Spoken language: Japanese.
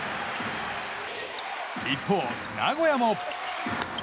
一方、名古屋も。